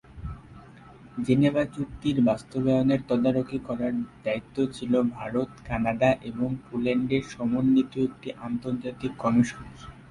Geneva চুক্তির বাস্তবায়নের তদারকি করার দায়িত্ব ছিল ভারত, কানাডা এবং পোল্যান্ডের সমন্বিত একটি আন্তর্জাতিক কমিশনের।